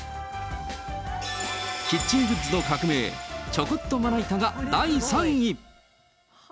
キッチングッズの革命、ちょこっとまな板が第３位。